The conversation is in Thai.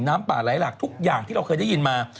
หลายหลักทุกอย่างที่เราเคยได้ยินมา